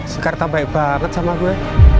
sekarang tambah banget sama gue